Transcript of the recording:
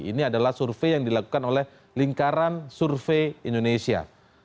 ini adalah survei yang dilakukan oleh lingkaran survei indonesia